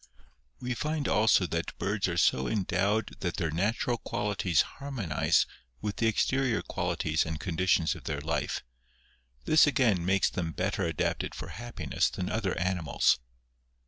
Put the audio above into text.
We find also that birds are so endowed that their natural qualities harmonise with the exterior qualities PANEGYRIC OF BIRDS. 149 and conditions of their life ; this again makes them better adapted for happiness than other animals.